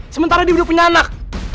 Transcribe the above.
sementara dia udah punya anak